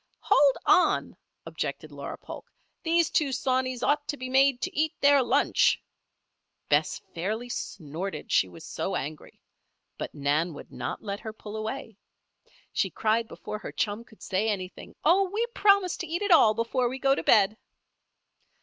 "Hold on!" objected Laura Polk. "These two sawneys ought to be made to eat their lunch." Bess fairly snorted, she was so angry. But Nan would not let her pull away. She cried, before her chum could say anything: "Oh! we promise to eat it all before we go to bed."